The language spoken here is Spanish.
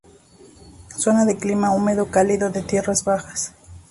Zona de clima húmedo cálido de tierras bajas.